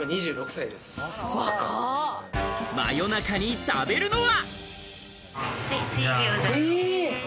夜中に食べるのは？